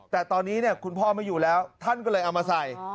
แต่ตอนนี้คุณพ่อไม่อยู่แล้วท่านก็เลยเอามาใส่